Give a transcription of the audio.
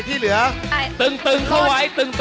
ตึงเข้าไว้